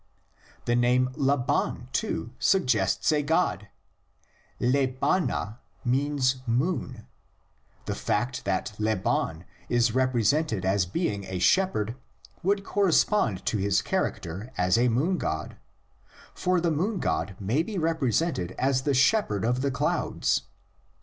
The name Laban, too, suggests a god: L'bana means moon; the fact that Laban is represented as being a shepherd would correspond to his character as a moon god: for the moon god may be represented as the shepherd of the clouds.